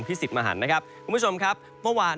พี่สิทธิ์มาหันนะครับกุ้มิชมครับเมื่อวาน